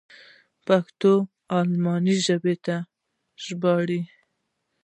د پښتو و الماني ژبې ته ژباړه.